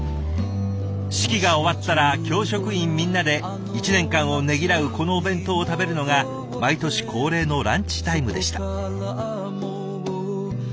式が終わったら教職員みんなで１年間をねぎらうこのお弁当を食べるのが毎年恒例のランチタイムでした。